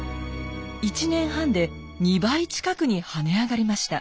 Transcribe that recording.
１年半で２倍近くに跳ね上がりました。